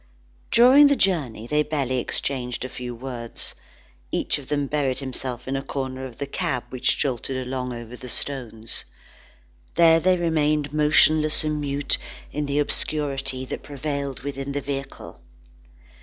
During the journey, they barely exchanged a few words. Each of them buried himself in a corner of the cab which jolted along over the stones. There they remained motionless and mute in the obscurity that prevailed within the vehicle.